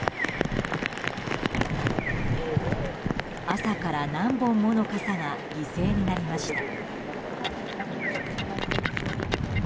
朝から何本もの傘が犠牲になりました。